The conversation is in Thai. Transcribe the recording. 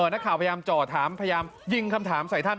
นักข่าวพยายามจ่อถามพยายามยิงคำถามใส่ท่าน